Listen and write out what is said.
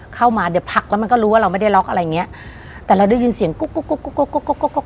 เข้ามาเดี๋ยวพักแล้วมันก็รู้ว่าเราไม่ได้ล็อกอะไรอย่างเงี้ยแต่เราได้ยินเสียงกุ๊กกุ๊กกุ๊กกุ๊กก๊อก